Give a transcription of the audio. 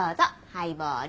ハイボール。